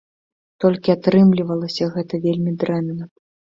Толькі атрымлівалася гэта вельмі дрэнна.